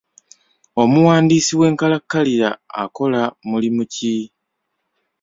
Omuwandiisi w'enkalakkalira akola mulimu ki?